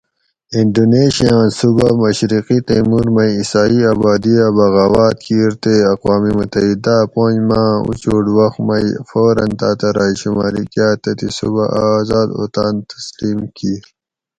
انڈونیشیا آۤں صوباۤ مشرقی تیمُور مئ عیسائ آبادی اۤ بغاواۤت کِیر تی اقوام متحداۤ اۤ پنج ماۤ آۤں اُچھُوٹ وخ مئ فوراً تاۤتہۤ راۓ شماری کاۤ تتھیں صوبہ اۤ آذاد اوطاۤن تسلیم کِیر